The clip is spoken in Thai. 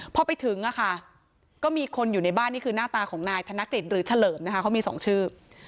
พอไปถึงก็มีคนอยู่ในบ้านนี่คือหน้าตาของนายธนกฤษหรือเฉลิมนะคะเขามีสองชื่อ